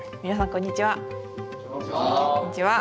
こんにちは。